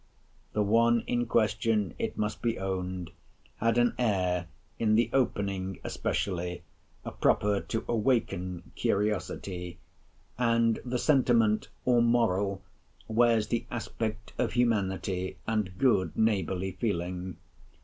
The one in question, it must be owned, had an air, in the opening especially, proper to awaken curiosity; and the sentiment, or moral, wears the aspect of humanity, and good neighbourly feeling.